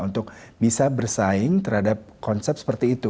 untuk bisa bersaing terhadap konsep seperti itu